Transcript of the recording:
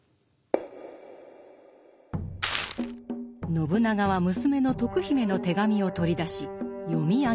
信長は娘の徳姫の手紙を取り出し読み上げた。